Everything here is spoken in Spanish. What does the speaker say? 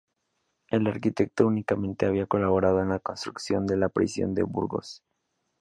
El arquitecto únicamente había colaborado en la construcción de la prisión de Burgos.